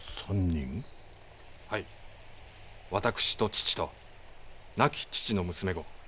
私と義父と亡き義父の娘御。